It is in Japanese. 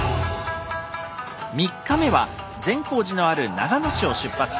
３日目は善光寺のある長野市を出発。